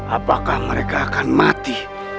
apakah mereka akan mati